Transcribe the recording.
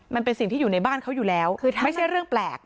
มันเป็นสิ่งที่อยู่ในบ้านเขาอยู่แล้วไม่ใช่เรื่องแปลก